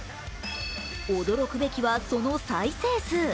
驚くべきは、その再生数。